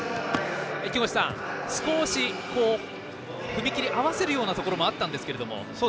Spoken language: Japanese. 木越さん、少し踏み切りを合わせるようなところもあったんですけども。